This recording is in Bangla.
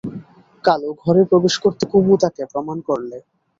কালু ঘরে প্রবেশ করতে কুমু তাকে প্রণাম করলে।